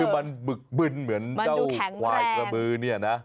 มันมึกมึนเหมือนเจ้าควายกระบือนี่นะ